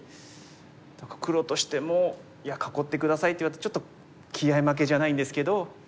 黒としても「囲って下さい」と言われるとちょっと気合い負けじゃないんですけど。